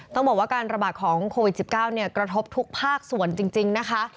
ต้องบอกว่าการระบาดของโควิด๑๙กระทบทุกภาคส่วนจริงนะคะ